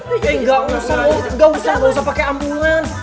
eh gausah gausah gausah pake ambulans